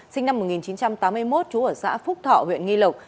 sinh năm một nghìn chín trăm tám mươi một trú ở xã phúc thọ huyện nghi lộc